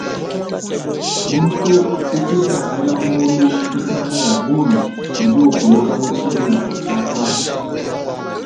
Muntu udi utangila mulu misangu ya bungi udi ukuluku mu tshina tshia panshi.